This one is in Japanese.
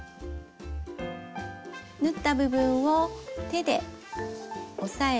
縫った部分を手で押さえて。